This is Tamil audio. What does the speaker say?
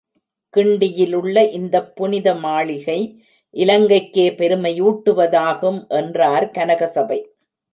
கிண்டியிலுள்ள இந்தப் புனித மாளிகை இலங்கைக்கே பெருமையூட்டுவதாகும என்றார் கனகசபை.